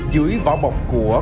dưới vỏ bọc của